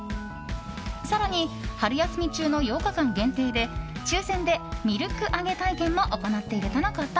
更に、春休み中の８日間限定で抽選でミルクあげ体験も行っているとのこと。